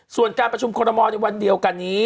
ส่วนการประชุมคอรมอลในวันเดียวกันนี้